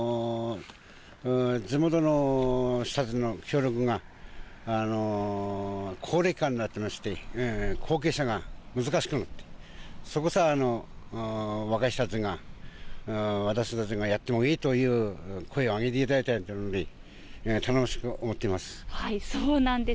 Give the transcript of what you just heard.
地元の人たちの協力が、高齢化になってまして、後継者が難しくなって、そこさ、若い人たちが、私たちがやってもいいという声を上げていただいたので、頼もしくそうなんです。